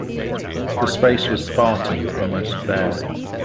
The space was spartan, almost bare.